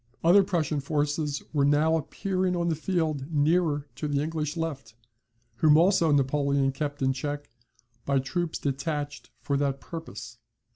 Other Prussian forces were now appearing on the field nearer to the English left; whom also Napoleon kept in check, by troops detached for that purpose.